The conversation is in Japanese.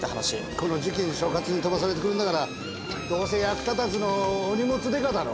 この時期に所轄に飛ばされてくるんだからどうせ役立たずのお荷物刑事だろ？